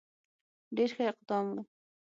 ډېر ښه اقدام وو.